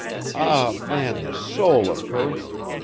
Ah, man, the soul of her!